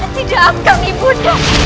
tidak akan ibunda